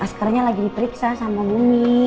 mas karang lagi diperiksa sama bumi